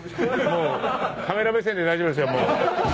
もうカメラ目線で大丈夫ですよ。